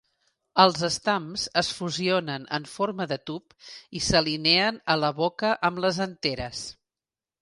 Els estams es fusionen en forma de tub i s'alineen a la boca amb les anteres.